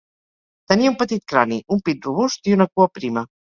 Tenia un petit crani, un pit robust i una cua prima.